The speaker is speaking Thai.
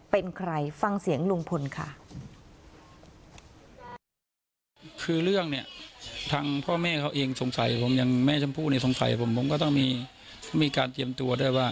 เป็นใครฟังเสียงลุงพลค่ะ